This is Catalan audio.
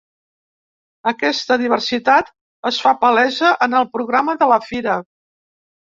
Aquesta diversitat es fa palesa en el programa de la fira.